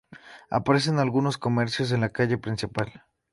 Aparecen algunos comercios en la calle principal.